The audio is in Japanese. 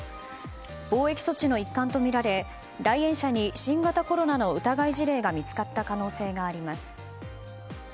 防疫措置の一環とみられ来園者に新型コロナの疑い事例が見つかった可能性があります。